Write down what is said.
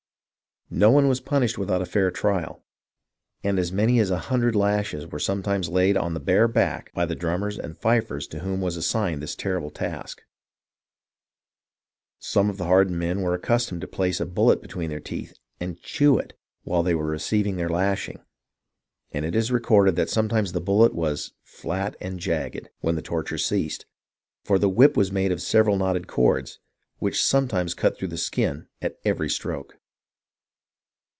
No one was punished without a fair trial, and as many as a hundred lashes were sometimes laid on the bare back by the drummers and fifers to whom was assigned this terrible task. Some of the hardened men were accustomed to place a bullet between their teeth and cJieiv it while they were receiving their lashing, and it is recorded that sometimes the bullet was " flat and jagged " when the torture ceased, for the whip was made of several knotted cords, " which sometimes cut through the skin at every stroke."